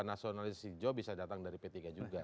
nasionalis hijau bisa datang dari p tiga juga